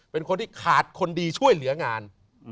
เป็นคนที่ขาดคนดีช่วยเหลืองาน